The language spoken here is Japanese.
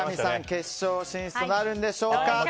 決勝進出なるんでしょうか。